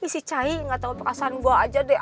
ih si cahy gak tau perasaan gue aja deh